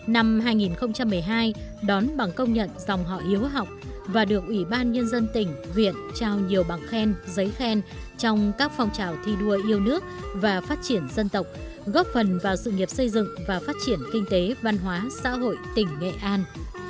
năm hai nghìn một mươi hai đón bằng công nhận dòng họ hiếu học và được ủy ban nhân dân tỉnh huyện trao nhiều bằng khen giấy khen trong các phong trào thi đua yêu nước và phát triển dân tộc góp phần vào sự nghiệp xây dựng và phát triển kinh tế văn hóa xã hội tỉnh nghệ an